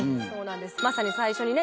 まさに最初にね